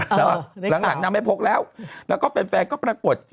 แล้วหลังนางไม่พกแล้วแล้วก็แฟนก็ปรากฏ